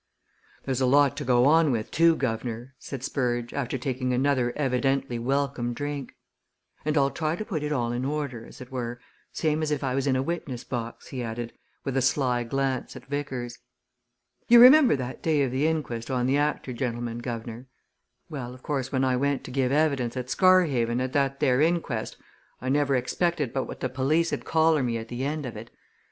"There's a lot to go on with, too, guv'nor," said Spurge, after taking another evidently welcome drink. "And I'll try to put it all in order, as it were same as if I was in a witness box," he added, with a sly glance at Vickers. "You remember that day of the inquest on the actor gentleman, guv'nor? Well, of course, when I went to give evidence at Scarhaven, at that there inquest, I never expected but what the police 'ud collar me at the end of it.